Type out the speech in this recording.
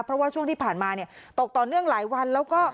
เพราะว่าช่วงที่ผ่านมาเนี่ยตกต่อเนื่องหลายวันแล้วก็